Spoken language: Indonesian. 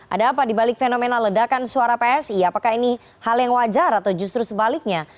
ada apa dibalik fenomena ledakan suara psi apakah ini hal yang wajar atau justru sebaliknya